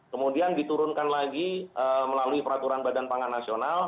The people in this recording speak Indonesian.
kemudian diturunkan lagi melalui peraturan badan pangan nasional